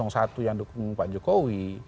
satu yang dukung pak jokowi